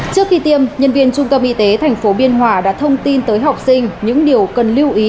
trước khi tiêm nhân viên trung tâm y tế thành phố biên hỏa đã thông tin tới học sinh những điều cần lưu ý